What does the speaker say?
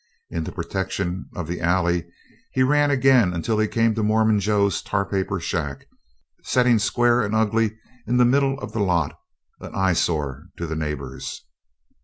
In the protection of the alley he ran again until he came to Mormon Joe's tar paper shack setting square and ugly in the middle of the lot an eyesore to the neighbors.